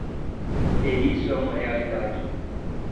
E isso é uma realidade.